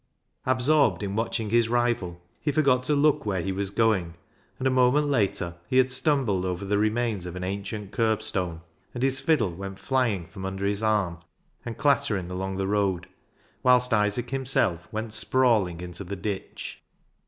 Absorbed in watching his rival, he forgot to look where he was going, and a moment later he had stumbled over the remains of an ancient kerbstone, and his fiddle went flying from under his arm and clattering along the road, whilst Isaac himself went sprawling into the ditch.